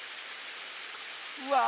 うわ！